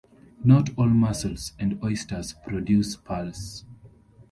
Not all mussels and oysters produce pearls.